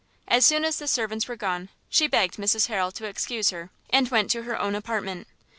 As soon as the servants were gone, she begged Mrs Harrel to excuse her, and went to her own apartment.